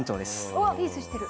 うわっピースしてる。